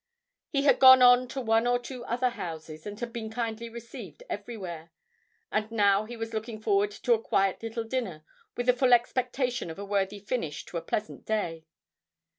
He had gone on to one or two other houses, and had been kindly received everywhere, and now he was looking forward to a quiet little dinner with the full expectation of a worthy finish to a pleasant day.